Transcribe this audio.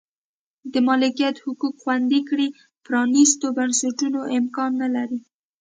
د مالکیت حقوق خوندي کړي پرانیستو بنسټونو امکان نه لري.